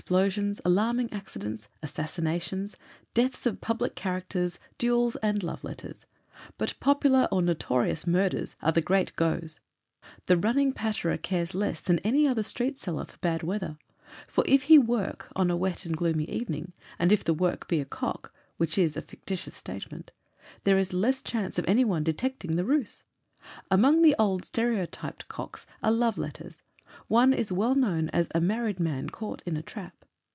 explosions, alarming accidents, 'assassinations,' deaths of public characters, duels, and love letters. But popular, or notorious murders are the 'great goes.' The running patterer cares less than any other street sellers for bad weather, for if he 'work' on a wet and gloomy evening, and if the work be 'A COCK,' which is, a fictitious statement, there is less chance of anyone detecting the ruse. Among the old stereotyped 'COCKS' are love letter. One is well known as a "Married Man caught in a Trap."